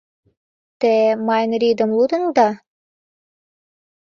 — Те Майн-Ридым лудын улыда?